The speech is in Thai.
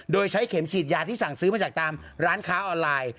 โดยใช้เข็มฉีดยาที่สั่งซื้อมาจากตามร้านค้าออนไลน์